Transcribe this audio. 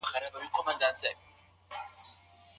آیا ښځو د نارينه وو په شان علم غوښتی؟